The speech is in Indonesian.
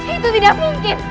itu tidak mungkin